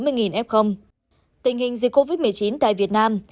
tình hình dịch covid một mươi chín tại việt nam